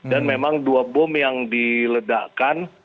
dan memang dua bom yang diledakkan